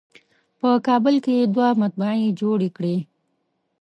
په کابل کې یې دوه مطبعې جوړې کړې.